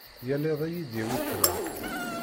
Yal iḍ ad yi-d-yawi ṭṭlam.